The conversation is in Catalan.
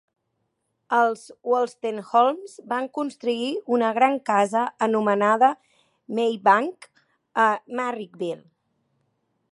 Els Wolstenholmes van construir una gran casa anomenada Maybanke a Marrickville.